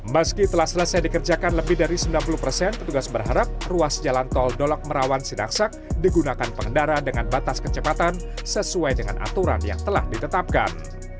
meski telah selesai dikerjakan lebih dari sembilan puluh persen petugas berharap ruas jalan tol dolok merawan sidaksak digunakan pengendara dengan batas kecepatan sesuai dengan aturan yang telah ditetapkan